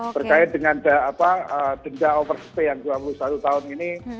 berkait dengan dengda overseas pay yang dua puluh satu tahun ini